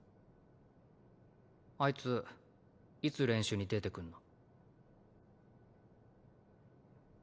あいついつ練習に出てくんの？